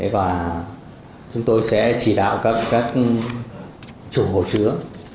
và chúng tôi sẽ chỉ đạo các chủ hồ chứa